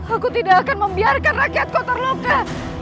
aku tidak akan membiarkan rakyat kau terluka